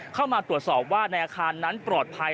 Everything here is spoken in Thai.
เข้ามาตรวจสอบว่าในอาคารนั้นปลอดภัย